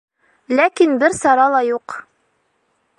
Ләкин бер сара ла юҡ.